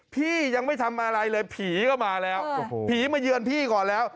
พี่ยังไม่ทำอะไรเลยผีก็มาแล้วผีมาเยือนพี่ก่อนแล้ว